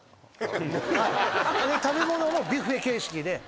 食べ物もビュッフェ形式で。